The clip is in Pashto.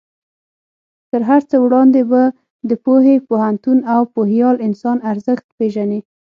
تر هر څه وړاندې به د پوهې، پوهنتون او پوهیال انسان ارزښت پېژنې.